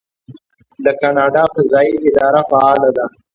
د کاناډا فضایی اداره فعاله ده.